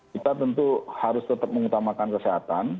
kita tentu harus tetap mengutamakan kesehatan